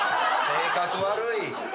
性格悪い！